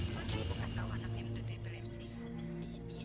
masa ibu gak tahu anaknya menderita epilepsi